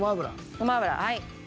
ごま油はい。